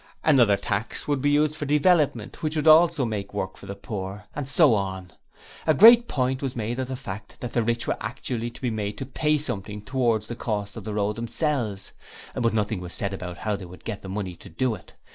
Another tax would be used for Development, which would also make Work for the poor. And so on. A great point was made of the fact that the rich were actually to be made to pay something towards the cost of their road themselves! But nothing was said about how they would get the money to do it.